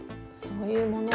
そういうもの。